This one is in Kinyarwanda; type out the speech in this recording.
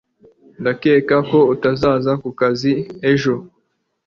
Ndakeka ko utazaza ku kazi ejo